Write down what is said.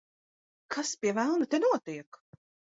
Kas pie velna te notiek?